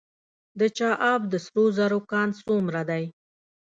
د چاه اب د سرو زرو کان څومره دی؟